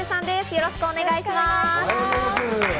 よろしく願いします。